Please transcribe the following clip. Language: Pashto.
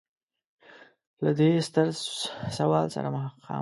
له دې ستر سوال سره مخامخ و.